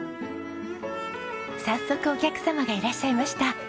早速お客様がいらっしゃいました。